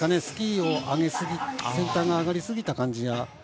スキーの上げすぎ先端が上がりすぎだ感じが。